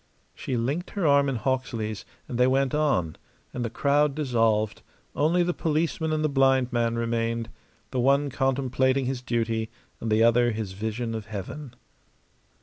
She linked her arm in Hawksley's, and they went on; and the crowd dissolved; only the policeman and the blind man remained, the one contemplating his duty and the other his vision of heaven.